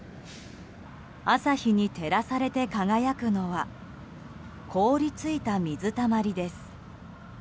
朝日に照らされて輝くのは凍り付いた水たまりです。